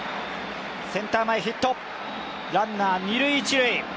センター前ヒット、ランナー、二塁一塁。